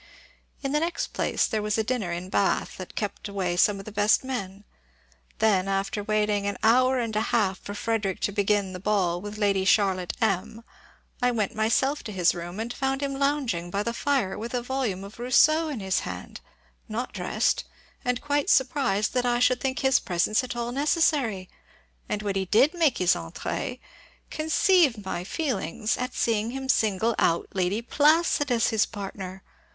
In the next place there was a dinner in Bath, that kept away some of the best men; then, after waiting an hour and a half for Frederick to begin the ball with Lady Charlotte M , I went myself to his room, and found him lounging by the fire with a volume of Rousseau in his hand, not dressed, and quite surprised that I should think his presence at all necessary; and when he did make his entré, conceive my feelings at seeing him single out Lady Placid as his partner!